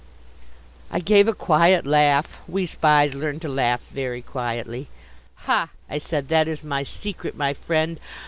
I gave a quiet laugh we Spies learn to laugh very quietly. "Ha!" I said, "that is my secret, my friend.